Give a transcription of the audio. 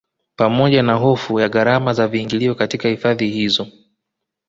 Pamoja na hofu ya gharama za viingilio katika hifadhi hizo